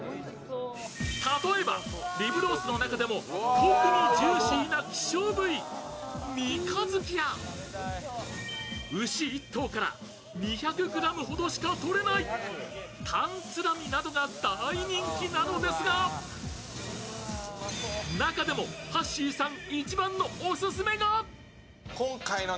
例えば、リブロースの中でも特にジューシーな希少部位、三日月や牛１頭から２００ｇほどしかとれないタンツラミなどが大人気なのですが中でもはっしーさん